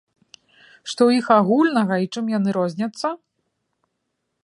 Што ў іх агульнага і чым яны розняцца?